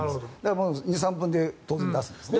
２３分で当然、出すんですね。